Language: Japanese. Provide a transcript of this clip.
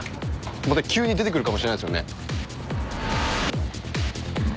急に出てくるかもしれないですよね。